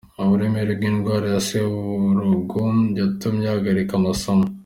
Uburemere bw’indwara ya Serubogo yatumye ahagarika amasomo.